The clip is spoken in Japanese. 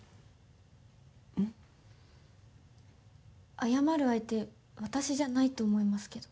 謝る相手私じゃないと思いますけど。